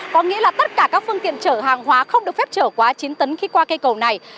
có nghĩa là tất cả các phương tiện chở hàng hóa không được phép trở quá chín tấn khi qua cây cầu này